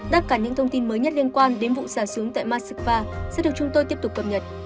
tất cả những thông tin mới nhất liên quan đến vụ xả súng tại moscow sẽ được chúng tôi tiếp tục cập nhật